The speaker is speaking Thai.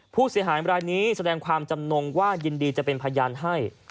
ผู้เสียหายรายนี้แสดงความจำนงว่ายินดีจะเป็นพยานให้